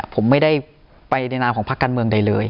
ผมไม่ได้ไปในนามของภาคการเมืองใดเลย